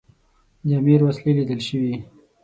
د امیر وسلې لیدل سوي.